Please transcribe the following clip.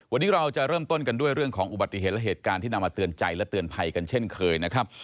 วันนี้เราจะเริ่มต้นกันด้วยเรื่องของอุบัติเหตุและเหตุการณ์ที่นำมาเตือนใจและเตือนภัยกันเช่นเคยนะครับ